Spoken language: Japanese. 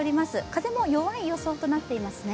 風も弱い予想となっていますね。